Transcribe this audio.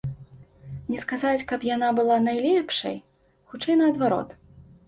Не сказаць, каб яна была найлепшай, хутчэй наадварот.